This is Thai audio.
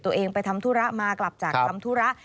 ตัวเองไปทำธุระมากลับจากทำธุระ